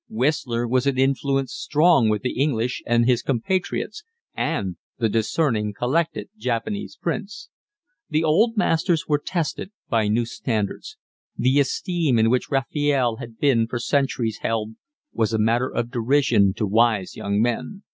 Whistler was an influence strong with the English and his compatriots, and the discerning collected Japanese prints. The old masters were tested by new standards. The esteem in which Raphael had been for centuries held was a matter of derision to wise young men.